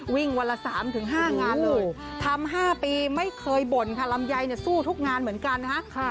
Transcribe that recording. วิ่งวันละ๓๕งานเลยทำ๕ปีไม่เคยบ่นค่ะลำไยสู้ทุกงานเหมือนกันนะฮะ